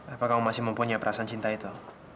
apa kamu masih mempunyai perasaan cinta itu